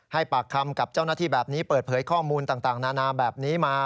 ปากคำกับเจ้าหน้าที่แบบนี้เปิดเผยข้อมูลต่างนานาแบบนี้มา